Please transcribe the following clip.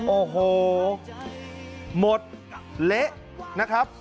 โอ้โหหมดเละนะครับ